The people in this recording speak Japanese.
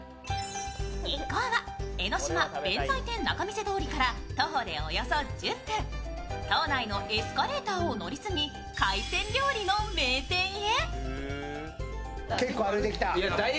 一行は江の島弁財天仲見世通りから徒歩でおよそ１０分島内のエスカレーターを乗り継ぎ、海鮮料理の名店へ。